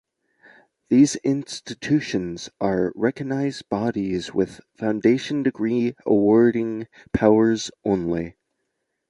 These institutions are recognised bodies with foundation degree awarding powers only.